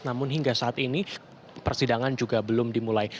namun hingga saat ini persidangan juga belum dimulai